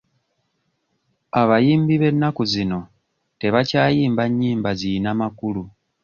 Abayimbi b'ennaku zino tebakyayimba nnyimba ziyina makulu.